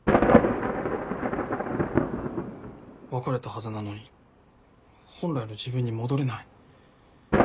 別れたはずなのに本来の自分に戻れない。